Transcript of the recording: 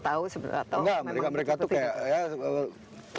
atau memang seperti itu nggak mereka itu kayak